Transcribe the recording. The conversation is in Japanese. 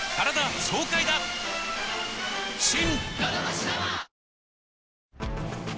新！